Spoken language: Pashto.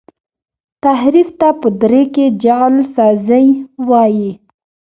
تحریف ته په دري کي جعل سازی وايي.